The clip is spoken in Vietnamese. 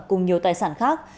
cùng nhiều tài sản khác